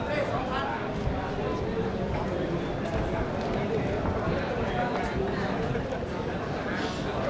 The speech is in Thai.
เฮ้ยสำคัญ